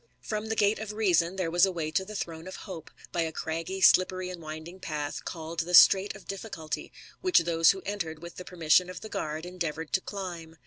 From the gate of Reason there was a way to the throne of Hope, by a craggy, slippery, and winding path, called the Streight of Difficulty^ which those who entered with the permission of the guard endeavonred to climb.